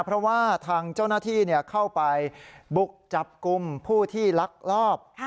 เพราะว่าทางเจ้าหน้าที่เข้าไปบุกจับกลุ่มผู้ที่ลักลอบ